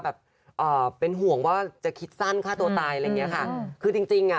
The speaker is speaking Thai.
แบบเป็นห่วงว่าจะคิดสั้นฆ่าตัวตายอะไรเนี่ยค่ะคือจริงอ่ะ